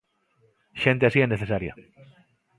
xente así é necesaria.